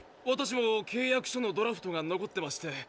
私も契約書のドラフトが残ってまして。